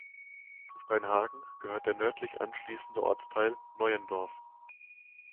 Zu Steinhagen gehört der nördlich anschließende Ortsteil Neuendorf.